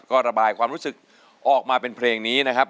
ก็ระบายความรู้สึกออกมาเป็นเพลงนี้นะครับ